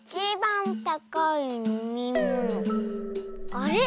あれ？